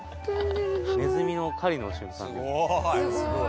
ネズミの狩りの瞬間です。